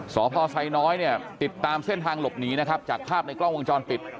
สอบพ่อไซยน้อยติดตามเส้นทางหลบหนีจากภาพในกล้องวงจรติด